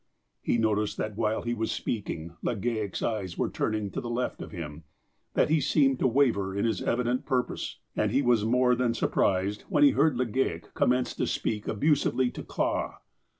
He noticed that while he was speaking. Legale' s eyes were tiu niug to the left of him ; that he seemed to waver in his evident purpose. And he was more than surprised when he heard Legale commence to speak abusively to Clah.